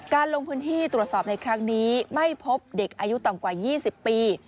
ลงพื้นที่ตรวจสอบในครั้งนี้ไม่พบเด็กอายุต่ำกว่า๒๐ปี